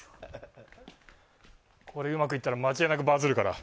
うまくいったら間違いなくバズるから。